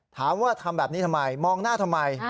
ถามว่าทำแบบนี้ทำไมมองหน้าทำไม